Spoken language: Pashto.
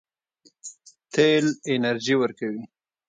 تیل انرژي ورکوي.